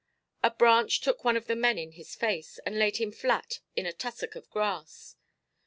A branch took one of the men in his face, and laid him flat in a tussock of grass.